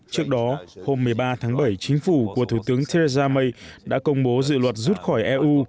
trước đó hôm một mươi ba tháng bảy chính phủ của thủ tướng theresa may đã công bố dự luật rút khỏi eu